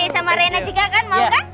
sama reina juga kan mau gak